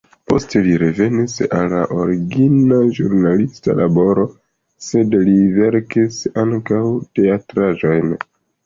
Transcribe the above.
Poste li revenis al la origina ĵurnalista laboro, sed li verkis ankaŭ teatraĵojn.